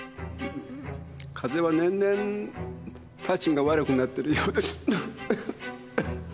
風邪は年々タチが悪くなってるようです。